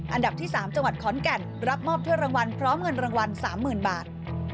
อันดับที่๓จังหวัดขอนแก่นรับมอบถ้วยรางวัลพร้อมเงินรางวัล๓๐๐๐บาท